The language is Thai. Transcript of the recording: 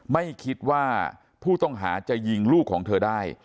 ไม่คิดว่าผู้ต้องหาจะยิงลูกของเธอได้